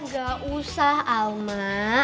gak usah alma